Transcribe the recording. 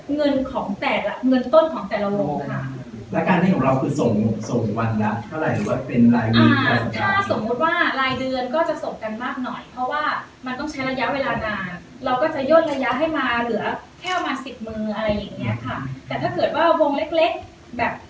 เงินของแต่ละเงินต้นของแต่ละวงค่ะ